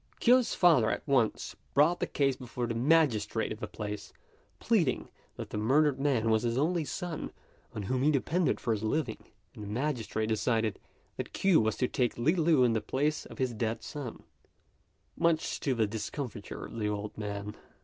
Kuo's father at once brought the case before the magistrate of the place, pleading that the murdered man was his only son on whom he depended for his living; and the magistrate decided that Kuo was to take Li Lu in the place of his dead son, much to the discomfiture of the old man.